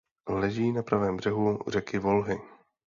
Leží na pravém břehu řeky Volhy.